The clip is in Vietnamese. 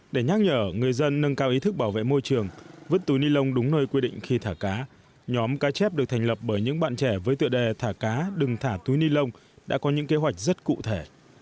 để nhắc nhở người dân nâng cao ý thức bảo vệ môi trường vứt túi ni lông đúng nơi quy định khi thả cá nhóm cá chép được thành lập bởi những bạn trẻ với tựa đề thả cá đừng thả túi ni lông đã có những kế hoạch rất cụ thể